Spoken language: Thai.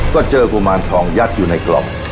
ก็เจอกุมารทองยัดอยู่ในกล่อง